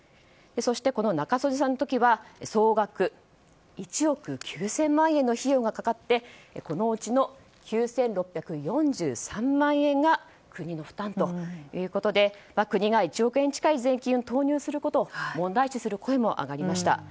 そして中曽根さんの時は総額１億９０００万円の費用がかかってこのうちの９６４３万円が国の負担ということで国が１億円近い税金を投入することを問題視する声も上がりました。